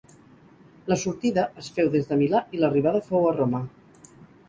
La sortida es féu des de Milà i l'arribada fou a Roma.